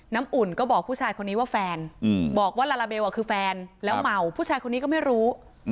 อุ่นก็บอกผู้ชายคนนี้ว่าแฟนบอกว่าลาลาเบลคือแฟนแล้วเมาผู้ชายคนนี้ก็ไม่รู้